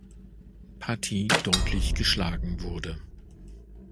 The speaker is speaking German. Partie deutlich geschlagen wurde.